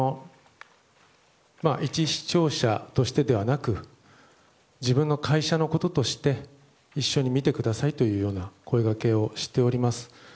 一視聴者としてではなく自分の会社のこととして一緒に見てくださいというような声掛けをしております。